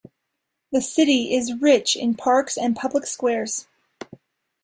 The city is rich in parks and public squares.